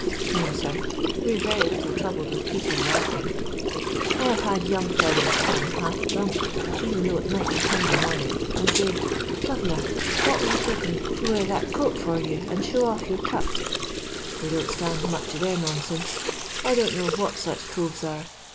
No, sir, we 're very little troubled with people larking. I have had young fellows come, half drank, even though it might be Sunday morning, and say, * Gnv'ner, what '11 you give me to wear that coat for you, and show off your cutl* We don't stand much of their nonsense. I don't know what sach coves are.